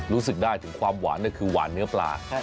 รู้สึกได้ถึงความหวานก็คือหวานเนื้อปลา